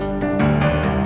ate bisa menikah